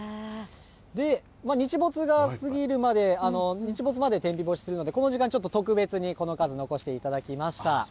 日没が過ぎるまで日没まで天日干しするのでこの時間はちょっと特別にこの数残していただきました。